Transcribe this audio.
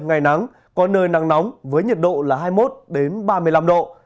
ngày nắng có nơi nắng nóng với nhiệt độ là hai mươi một ba mươi năm độ